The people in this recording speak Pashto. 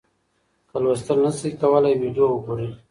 که لوستل نسئ کولای ویډیو وګورئ.